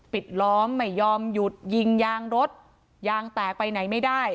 ล้อมไม่ยอมหยุดยิงยางรถยางแตกไปไหนไม่ได้